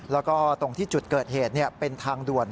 แล้วก็ตรงที่จุดเกิดเหตุเป็นทางด่วน